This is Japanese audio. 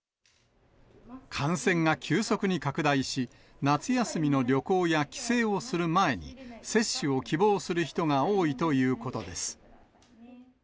感染が急速に拡大し、夏休みの旅行や帰省をする前に、接種を希望する人が多いということです。